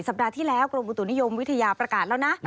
ปัดที่แล้วกรมอุตุนิยมวิทยาประกาศแล้วนะ